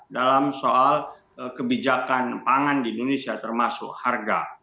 dalam soal kebijakan pangan di indonesia termasuk harga